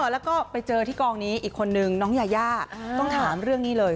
แล้วก็ไปเจอที่กองนี้อีกคนนึงน้องยายาต้องถามเรื่องนี้เลย